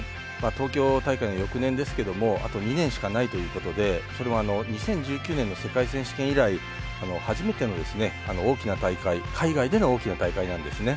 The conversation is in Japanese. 東京大会の翌年ですけどもあと２年しかないということでそれも２０１９年の世界選手権以来初めての大きな大会海外での大きな大会なんですね。